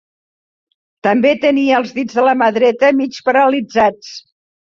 També tenia els dits de la mà dreta mig paralitzats